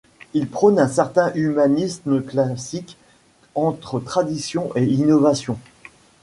Il prône un certain humanisme classique entre tradition et innovation.